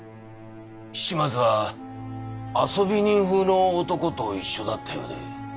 七松は遊び人風の男と一緒だったようで。